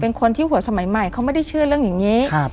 เป็นคนที่หัวสมัยใหม่เขาไม่ได้เชื่อเรื่องอย่างนี้